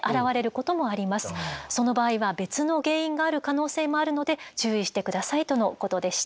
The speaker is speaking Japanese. その場合は別の原因がある可能性もあるので注意して下さいとのことでした。